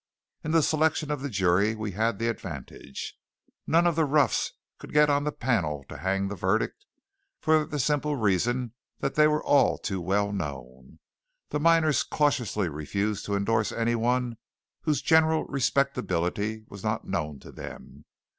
In the selection of the jury we had the advantage. None of the roughs could get on the panel to hang the verdict, for the simple reason that they were all too well known. The miners cautiously refused to endorse any one whose general respectability was not known to them.